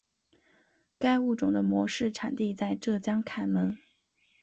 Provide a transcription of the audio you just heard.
该物种的模式产地在浙江坎门。